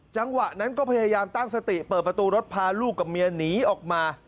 จังหวะนั้นก็พยายามตั้งสติเปิดประตูรถพาลูกกับเมียหนีออกมา